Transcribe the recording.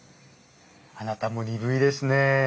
あなたも鈍いですね。